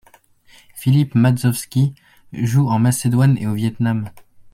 Filip Madžovski joue en Macédoine et au Viêt Nam.